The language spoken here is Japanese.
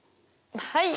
はい。